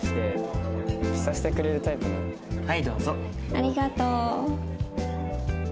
ありがとう。